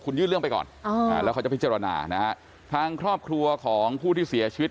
ยื่นเรื่องไปก่อนแล้วเขาจะพิจารณานะฮะทางครอบครัวของผู้ที่เสียชีวิต